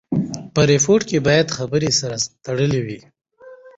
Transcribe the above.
په ریپورټ کښي باید خبري سره تړلې وي.